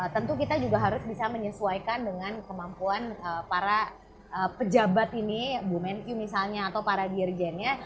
tentu kita juga harus bisa menyesuaikan dengan kemampuan para pejabat ini bu menkyu misalnya atau para dirjennya